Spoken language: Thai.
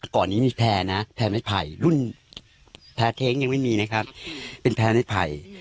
ก่อนนี้มีแพร่นะแพร่ไม้ไผ่รุ่นแพ้เท้งยังไม่มีนะครับเป็นแพร่ไม้ไผ่